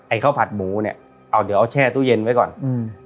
ข้าวผัดหมูเนี้ยเอาเดี๋ยวเอาแช่ตู้เย็นไว้ก่อนอืม